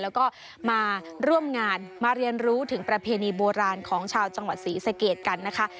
แล้วก็มาร่วมงานมาเรียนรู้ถึงประเพณีโบราณของชาวจังหวัดศรีสะเกดกันนะคะ